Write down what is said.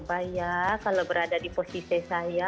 coba ya kalau berada di posisi saya